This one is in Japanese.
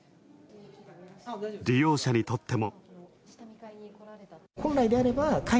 利用者にとっても。